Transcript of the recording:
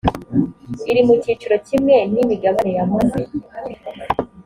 iri mu cyiciro kimwe n imigabane yamaze